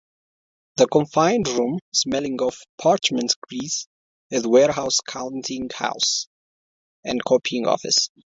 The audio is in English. The confined room, smelling of parchment-grease, is warehouse, counting-house, and copying-office.